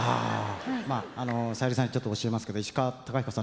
さゆりさんにちょっと教えますけど石川鷹彦さん